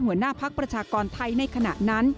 หัวหน้าพักประชากรไทยในขณะนั้น